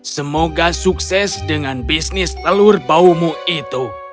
semoga sukses dengan bisnis telur baumu itu